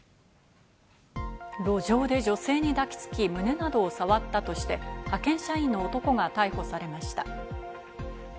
路上で女性に抱きつき、胸などを触ったとして、派遣社員の男が逮捕されました。